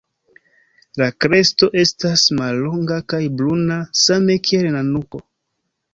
La kresto estas mallonga kaj bruna same kiel la nuko.